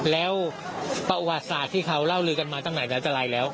และประอุวาทศาสตร์ที่เขาเล่าลือกันมาจังไหนแต่อะไรแล้ว